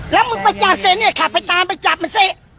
แล้วมึงไปจับเสร็จเนี่ยขับไปตามไปจับมันสิ